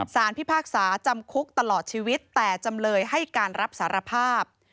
พิพากษาจำคุกตลอดชีวิตแต่จำเลยให้การรับสารภาพ